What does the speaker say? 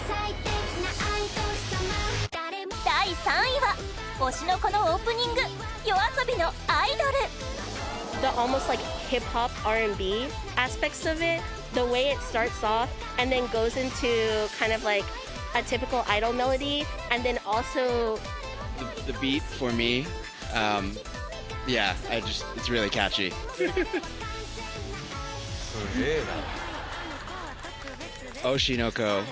第３位は『推しの子』のオープニング ＹＯＡＳＯＢＩ の『アイドル』伊達：すげえな！